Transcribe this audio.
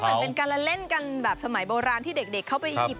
เหมือนเป็นการละเล่นกันแบบสมัยโบราณที่เด็กเข้าไปอียิป